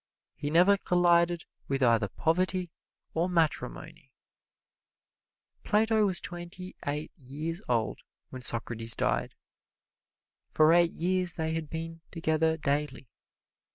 He never collided with either poverty or matrimony. Plato was twenty eight years old when Socrates died. For eight years they had been together daily.